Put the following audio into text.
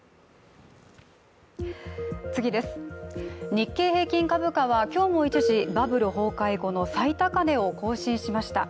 日経平均株価は今日も一時、バブル崩壊後の最高値を更新しました。